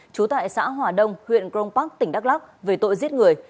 trú tại xã hòa đông huyện crong park tỉnh đắk lắc về tội giết người